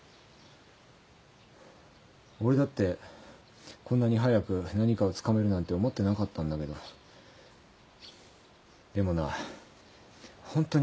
俺だってこんなに早く何かをつかめるなんて思ってなかったんだけどでもなホントに悔しいんだ。